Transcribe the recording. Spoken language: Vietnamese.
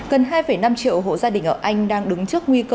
cần hai năm triệu hộ gia đình ở anh đang đứng trước nguyên liệu